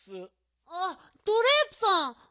あっドレープさん。